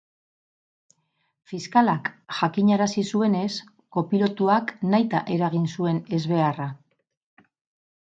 Fiskalak jakinarazi zuenez, kopilotuak nahita eragin zuen ezbeharra.